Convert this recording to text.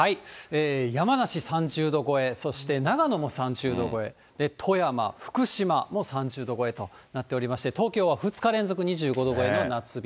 山梨３０度超え、そして長野も３０度超え、富山、福島も３０度超えとなっておりまして、東京は２日連続、２５度超えの夏日。